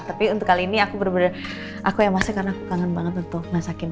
tapi untuk kali ini aku bener bener aku yang masak karena aku kangen banget untuk masakin